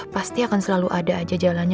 pasti akan selalu ada aja jalannya